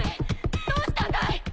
どうしたんだい！？